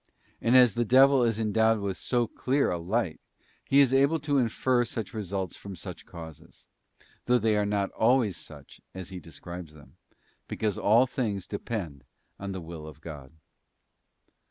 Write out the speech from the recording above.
And as the devil is endowed with so clear a light, he is able to infer such results from such causes; though they are not always such as he describes them, because all things depend on the will of God.